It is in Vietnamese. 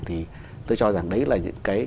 thì tôi cho rằng đấy là những cái